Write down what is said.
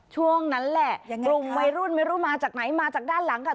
ช่วงนั้นแหละกลุ่มวัยรุ่นไม่รู้มาจากไหนมาจากด้านหลังค่ะ